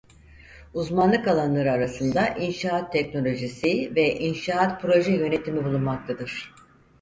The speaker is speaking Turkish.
Uzmanlık alanları arasında inşaat teknolojisi ve inşaat proje yönetimi bulunmaktadır.